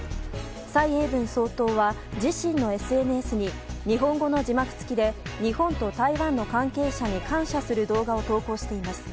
蔡英文総統は、自身のＳＮＳに日本語の字幕付きで日本と台湾の関係者に感謝する動画を投稿しています。